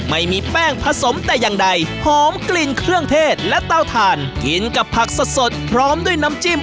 ไม่มีแป้งผสมแต่อย่างใดหอมกลิ่นเครื่องเทศและเต้าทานกินกับผักสดพร้อมด้วยน้ำจิ้ม